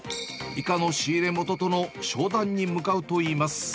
イカの仕入れ元との商談に向かうといいます。